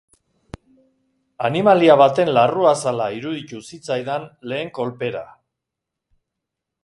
Animalia baten larruazala iruditu zitzaidan lehen kolpera.